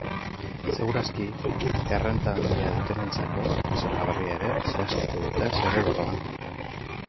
Seguru aski, errenta handia dutenentzako zerga berria ere zehaztuko dute zirriborroan.